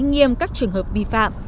nghiêm các trường hợp bi phạm